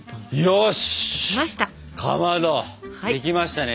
よしかまどできましたね